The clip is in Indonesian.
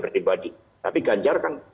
berdibadi tapi ganjar kan